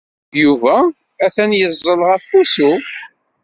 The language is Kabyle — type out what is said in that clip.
Yuba atan yeẓẓel ɣef wusu.